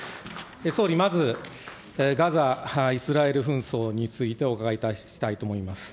総理まず、ガザ・イスラエル紛争についてお伺いいたしたいと思います。